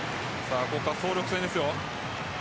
ここから総力戦ですよ。